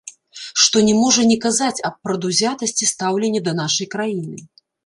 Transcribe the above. Што не можа не казаць аб прадузятасці стаўлення да нашай краіны.